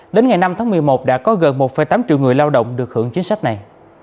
đến ngày năm tháng một mươi một đã có gần một tám triệu người lao động được hưởng chính sách này